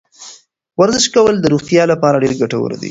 ورزش کول د روغتیا لپاره ډېر ګټور دی.